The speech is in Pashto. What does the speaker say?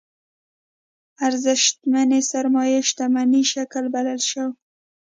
ارزشمنې سرمايې شتمنۍ شکل بللی شو.